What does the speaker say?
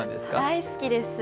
大好きです。